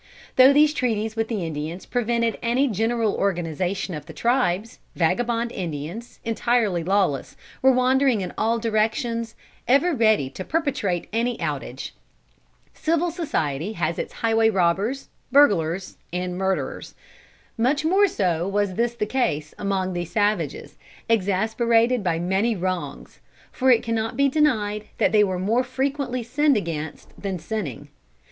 Though these treaties with the Indians prevented any general organization of the tribes, vagabond Indians, entirely lawless, were wandering in all directions, ever ready to perpetrate any outrage. Civil society has its highway robbers, burglars and murderers. Much more so was this the case among these savages, exasperated by many wrongs; for it cannot be denied that they were more frequently sinned against than sinning.